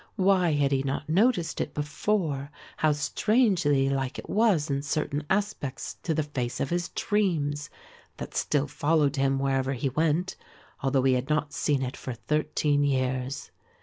why had he not noticed it before, how strangely like it was in certain aspects to the face of his dreams, that still followed him wherever he went, although he had not seen it for thirteen years?